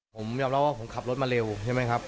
ผมยอมรับว่าผมขับรถมาเร็วใช่ไหมครับ